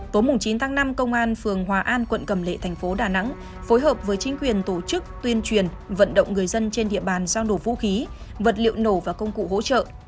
tối chín tháng năm công an phường hòa an quận cầm lệ thành phố đà nẵng phối hợp với chính quyền tổ chức tuyên truyền vận động người dân trên địa bàn giao nổ vũ khí vật liệu nổ và công cụ hỗ trợ